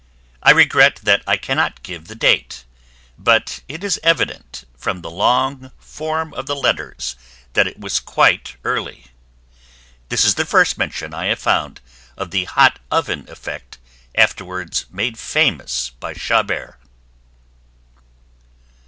I regret that I cannot give the date, but it is evident from the long form of the letters that it was quite early. This is the first mention I have found of the hot oven effect afterwards made famous by Chabert.